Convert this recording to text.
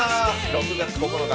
６月９日